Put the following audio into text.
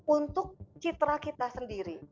untuk citra kita sendiri